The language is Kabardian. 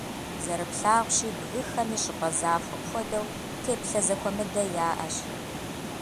Зэрыплъагъущи, бгыхэми, щӀыпӀэ захуэм хуэдэу, теплъэ зэхуэмыдэ яӀэщ.